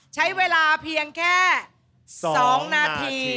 ใช้เวลาเพียงแค่๒นาที